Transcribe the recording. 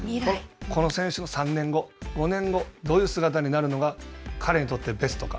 この選手の３年後、５年後、どういう姿になるのが、彼にとってベストか。